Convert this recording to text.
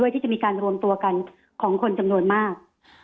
ที่จะมีการรวมตัวกันของคนจำนวนมาก